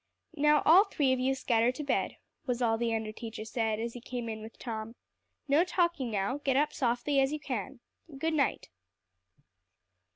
"Now all three of you scatter to bed," was all the under teacher said as he came in with Tom. "No talking now; get up as softly as you can. Good night."